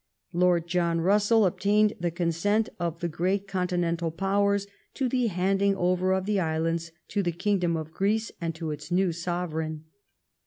Lord John Russell obtained the consent of the great continen tal powers to the handing over of the islands to the Kingdom of Greece and its new sovereign.